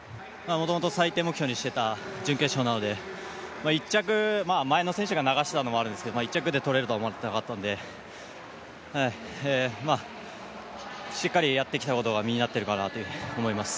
もともと最低目標にしていた準決勝なので、前の選手が流していたのもあるんですけど１着で取れるとは思ってなかったので、しっかりやってきたことが身になっているかなと思います。